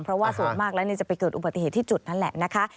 เพราะว่าส่วนมากแล้วจะไปเกิดอุบัติเหตุที่จุดนั้นแหละนะคะ